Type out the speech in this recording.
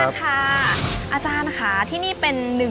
ไปดูกันค่ะว่าหน้าตาของเจ้าปาการังอ่อนนั้นจะเป็นแบบไหน